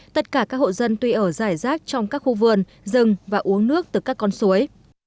tất cả các hộ dân tuy ở giải rác trong các khu vườn rừng và uống nước từ các con suối